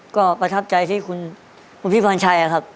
ก็ประทับใจที่คุณพี่พรชัยครับ